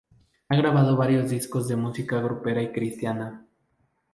Ha grabado varios discos de música grupera y cristiana.